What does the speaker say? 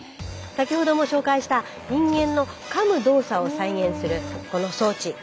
先ほども紹介した人間のかむ動作を再現するこの装置。